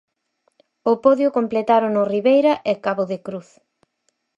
O podio completárono Ribeira e Cabo de Cruz.